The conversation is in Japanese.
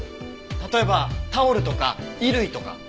例えばタオルとか衣類とか。